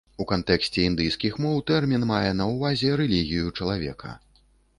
У кантэксце індыйскіх моў тэрмін мае на ўвазе рэлігію чалавека.